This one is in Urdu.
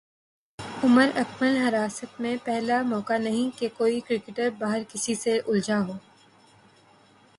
عمر اکمل حراست میںپہلا موقع نہیں کہ کوئی کرکٹر باہر کسی سے الجھا ہو